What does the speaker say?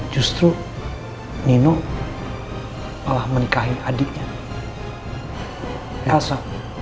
justru nino malah menikahi adiknya rasa